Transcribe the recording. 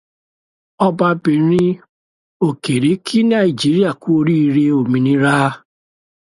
Ọbabìnrin ilẹ̀ okèrè kí Nàìjíríà kú oríire òmìnira.